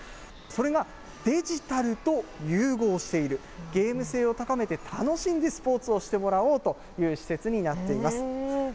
それがデジタルと融合している、ゲーム性を高めて、楽しんでスポーツをしてもらおうという施設になっています。